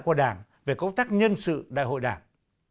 của đảng về công tác nhân sự đại hội đảng